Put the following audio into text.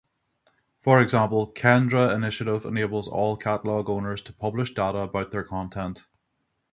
For example Kendra Initiative enables all catalogue owners to publish data about their content.